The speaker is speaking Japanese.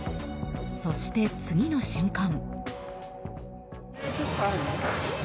そして、次の瞬間。